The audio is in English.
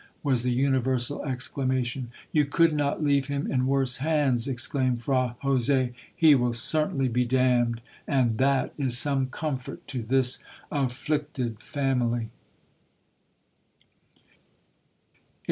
'—was the universal exclamation. 'You could not leave him in worse hands,' exclaimed Fra Jose—'He will certainly be damned—and—that is some comfort to this afflicted family.'